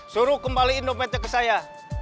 suruh kembaliin dompetnya ke saya